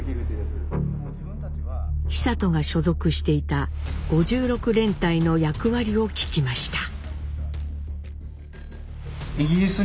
久渡が所属していた５６連隊の役割を聞きました。